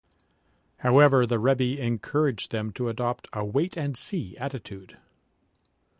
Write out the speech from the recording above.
However, the Rebbe encouraged them to adopt a "wait and see" attitude.